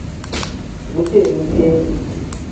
Bu ceeni kee.